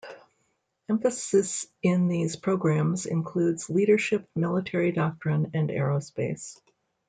Emphasis in these programs includes leadership, military doctrine and aerospace power.